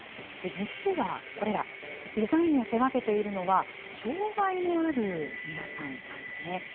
実は、これら、デザインを手がけているのは、障害のある皆さんなんですね。